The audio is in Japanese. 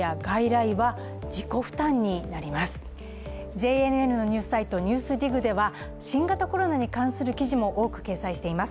ＪＮＮのニュースサイトＮＥＷＳＤＩＧでは新型コロナに関する記事も多く掲載しています。